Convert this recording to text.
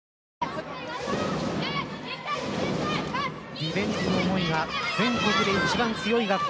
リベンジの思いが全国で一番強い学校。